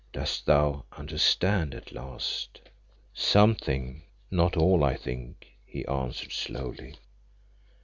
Dost thou understand at last?" "Something, not all, I think," he answered slowly.